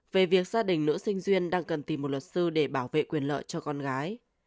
về việc gia đình nữ sinh duyên đang cần tìm một luật sư để bảo vệ quyền lợi cho con gái